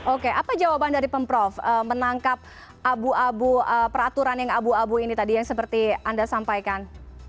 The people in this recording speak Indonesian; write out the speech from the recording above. oke apa jawaban dari pemprov menangkap abu abu peraturan yang abu abu ini tadi yang seperti anda sampaikan